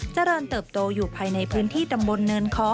เจริญเติบโตอยู่ภายในพื้นที่ตำบลเนินค้อ